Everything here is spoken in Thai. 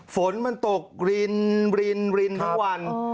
ฝนมันตกรินทั้งวัน